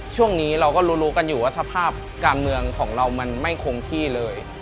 ช่วงนี้เราก็รู้กันอยู่ว่าสภาพการเมืองของเรามันไม่คงที่เลย